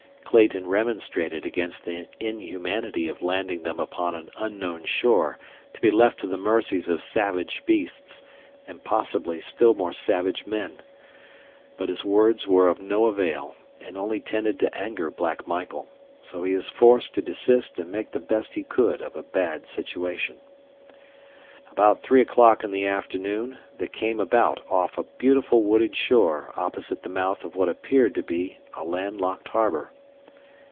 Clayton remonstrated against the inhumanity of landing them upon an unknown shore to be left to the mercies of savage beasts, and, possibly, still more savage men. But his words were of no avail, and only tended to anger Black Michael, so he was forced to desist and make the best he could of a bad situation. About three o'clock in the afternoon they came about off a beautiful wooded shore opposite the mouth of what appeared to be a land locked harbor.